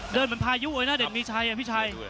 เดินเหมือนพายุเลยนะเด่นมีชัย